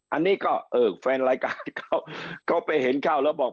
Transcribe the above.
อันนี้ก็เออแฟนรายการเขาเขาไปเห็นเข้าแล้วบอก